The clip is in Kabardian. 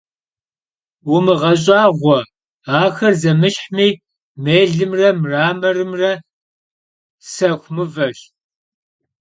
Vumığeş'ağue, axer zemışhmi — mêlımre mramorımre — sexu mıveş.